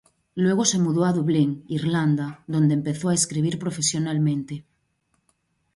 Luego se mudó a Dublín, Irlanda, donde empezó a escribir profesionalmente.